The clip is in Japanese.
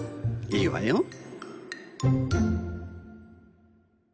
いいわよ。